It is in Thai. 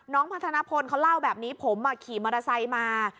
พัฒนพลเขาเล่าแบบนี้ผมขี่มอเตอร์ไซค์มา